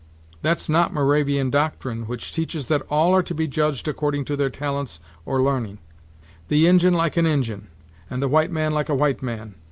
"That's not Moravian doctrine, which teaches that all are to be judged according to their talents or l'arning; the Injin like an Injin; and the white man like a white man.